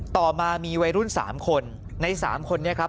ต่อมามีวัยรุ่นสามคนในสามคนเนี่ยครับ